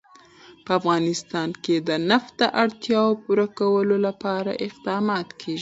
په افغانستان کې د نفت د اړتیاوو پوره کولو لپاره اقدامات کېږي.